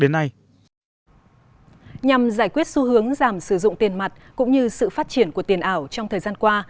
nhằm giải quyết xu hướng giảm sử dụng tiền mặt cũng như sự phát triển của tiền ảo trong thời gian qua